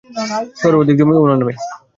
শহরেরর অর্ধেক জমি ওনার নামে!